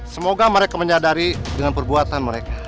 semoga mereka menyadari dengan perbuatan mereka